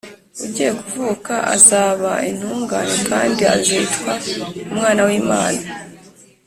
ugiye kuvuka azaba intungane kandi azitwa umwana w’imana